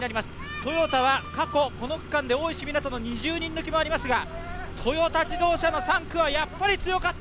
トヨタは過去この区間で大石港与の２０人抜きもありましたがトヨタ自動車の３区はやっぱり強かった。